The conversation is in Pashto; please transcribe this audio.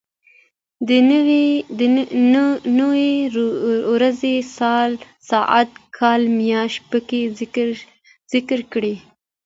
نو ورځې ،ساعت، کال ،مياشت پکې ذکر کړي.